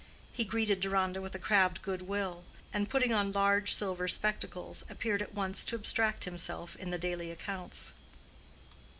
He greeted Deronda with a crabbed good will, and, putting on large silver spectacles, appeared at once to abstract himself in the daily accounts.